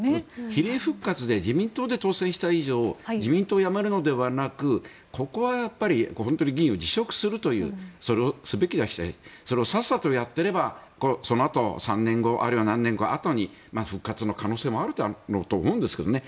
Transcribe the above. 比例復活で自民党で当選した以上自民党を辞めるのではなくここは本当に議員を辞職するというそれをすべきだしそれをさっさとやっていればそのあと３年後あるいは何年後あとに復活の可能性もあるだろうと思うんですけどね